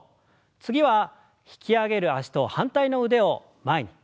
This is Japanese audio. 次は引き上げる脚と反対の腕を前に。